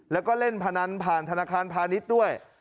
แล้วก็เล่นพนันผ่านธนาคารพาณิชย์ด้วย